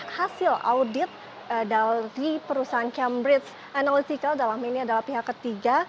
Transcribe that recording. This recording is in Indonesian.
hasil audit dari perusahaan cambridge analytical dalam ini adalah pihak ketiga